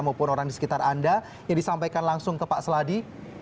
maupun orang di sekitar anda yang disampaikan langsung ke pak seladi